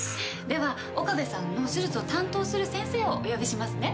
では岡部さんの手術を担当する先生をお呼びしますね。